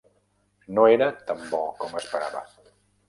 No era tan bo com esperava.